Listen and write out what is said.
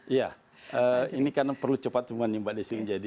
ya ini karena perlu cepat semua nih mbak desi